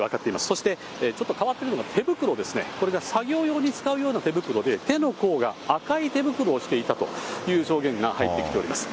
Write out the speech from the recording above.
そしてちょっと変わってるのが手袋ですね、これが作業用に使うような手袋で、手のほうが赤い手袋をしていたという証言が入ってきています。